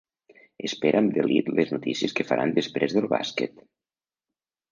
Espera amb delit les notícies que faran després del bàsquet.